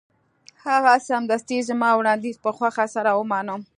هغه سمدستي زما وړاندیز په خوښۍ سره ومانه